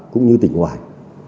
cũng như tỉnh ngoài